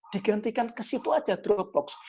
digantikan ke situ aja droploads